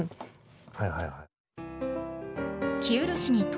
はいはいはい。